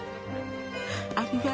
ありがとう。